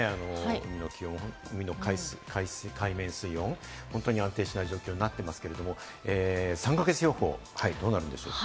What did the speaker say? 海の海面水温、安定しない状況になってますけれど、３か月予報、どうなるんでしょうか？